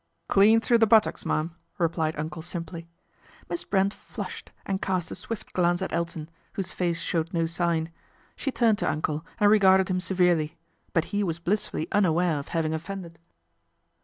" Clean through the buttocks, mum," replied Uncle simply. Miss Brent flushed and cast a swift glance at Elton, whose face showed no sign. She turned to Uncle and regarded him severely ; but he was blissfully unaware of having offended.